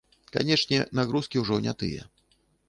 Канечне, нагрузкі ўжо не тыя.